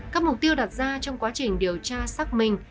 các mục tiêu đặt ra trong quá trình điều tra xác minh